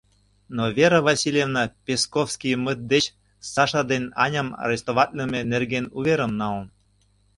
Но Вера Васильевна Песковскиймыт деч Саша ден Аням арестоватлыме нерген уверым налын.